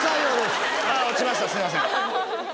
すみません。